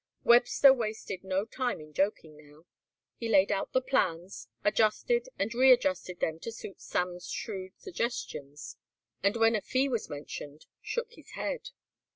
Webster wasted no time in joking now. He laid out the plans, adjusted and readjusted them to suit Sam's shrewd suggestions, and when a fee was mentioned shook his head.